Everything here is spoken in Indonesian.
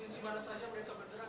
di mana saja mereka bergerak